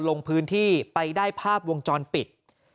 ลงพื้นที่ไปได้ภาพวงจรปิด